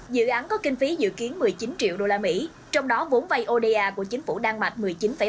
dự án có kinh phí dự kiến một mươi chín triệu usd trong đó vốn vay oda của chính phủ đan mạch